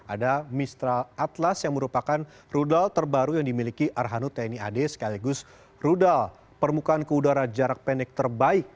ada mistra atlas yang merupakan rudal terbaru yang dimiliki arhanu tni ad sekaligus rudal permukaan ke udara jarak pendek terbaik